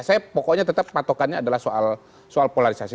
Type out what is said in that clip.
saya pokoknya tetap patokannya adalah soal polarisasi